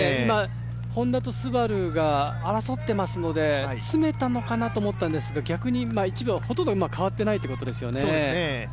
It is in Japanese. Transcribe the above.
ＨｏｎｄａとＳＵＢＡＲＵが争っていますので、詰めたのかなと思ったんですけど、逆に１秒ほとんど変わっていないということですよね。